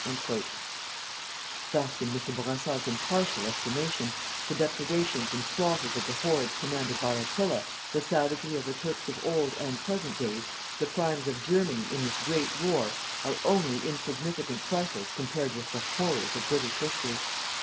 _" Thus, in Mr. Bourassa's impartial estimation, the depredations and slaughters of the hordes commanded by Attila, the savagery of the Turks of old and present days, the crimes of Germany in this great war, are only insignificant trifles compared with the horrors of British history.